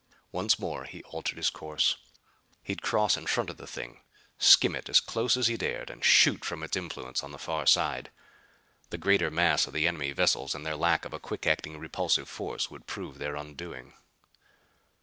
Once more he altered his course. He'd cross in front of the thing; skim it as close as he dared and shoot from its influence on the far side. The greater mass of the enemy vessels and their lack of a quick acting repulsive force would prove their undoing.